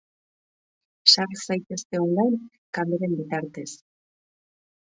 Sar zaitez on line kameren bitartez.